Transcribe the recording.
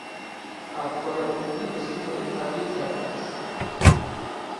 افکار عمومی به سود او تغییر کردهاست.